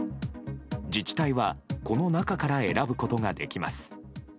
自治体は、この中から選ぶことができます。